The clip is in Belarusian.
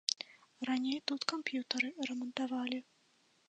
Раней тут камп'ютары рамантавалі.